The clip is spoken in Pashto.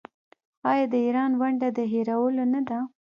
آیا د ایران ونډه د هیرولو نه ده؟